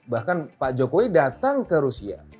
bahkan pak jokowi datang ke rusia